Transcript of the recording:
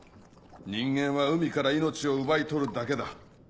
人間は海から命を奪い取るだけだ。